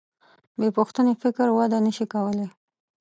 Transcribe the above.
بېپوښتنې فکر وده نهشي کولی.